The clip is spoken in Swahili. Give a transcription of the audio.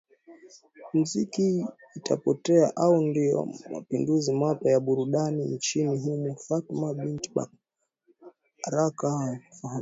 muziki itapotea au ndio mapinduzi mapya ya burudani nchini humo Fatuma Binti Baraka anaefahamika